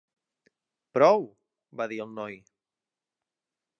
"Prou", va dir el noi.